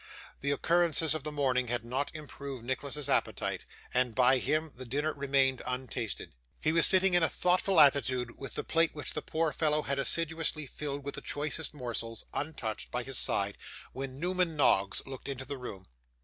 The occurrences of the morning had not improved Nicholas's appetite, and, by him, the dinner remained untasted. He was sitting in a thoughtful attitude, with the plate which the poor fellow had assiduously filled with the choicest morsels, untouched, by his side, when Newman Noggs looked into the room.